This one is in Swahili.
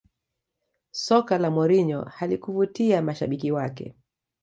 Soka la Mourinho halikuvutia mashabiki wake